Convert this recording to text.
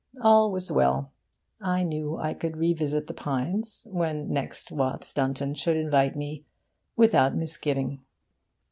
All was well. I knew I could revisit The Pines, when next Watts Dunton should invite me, without misgiving.